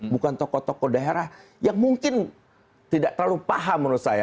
bukan tokoh tokoh daerah yang mungkin tidak terlalu paham menurut saya